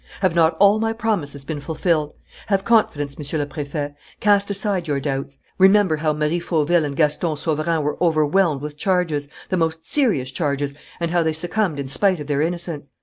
Have not all my promises been fulfilled? Have confidence, Monsieur le Préfet; cast aside your doubts. Remember how Marie Fauville and Gaston Sauverand were overwhelmed with charges, the most serious charges, and how they succumbed in spite of their innocence.